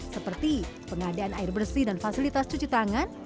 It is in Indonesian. seperti pengadaan air bersih dan fasilitas cuci tangan